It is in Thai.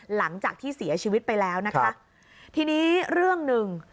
หลังจากที่เสียชีวิตไปแล้วนะคะทีนี้เรื่องหนึ่ง